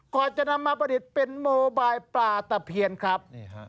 ก่อนจะนำมาประดิษฐ์เป็นโมบายปลาตะเพียนครับ